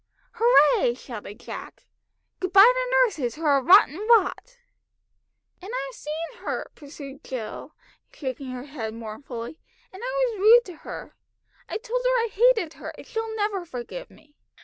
"Hurray!" shouted Jack. "Good bye to nurses, who are rotten rot!" "And I've seen her," pursued Jill, shaking her head mournfully; "and I was rude to her, I told her I hated her, and she'll never forgive me.